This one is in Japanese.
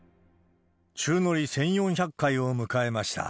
宙乗り１４００回を迎えました。